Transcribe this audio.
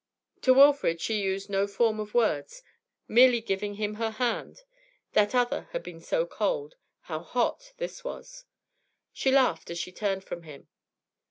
To Wilfrid she used no form of words, merely giving him her hand; that other had been so cold, how hot this was! She laughed as she turned from him.